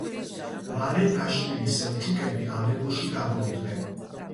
მალე დაშლილი სელჩუკები ალეპოში დაბრუნდნენ.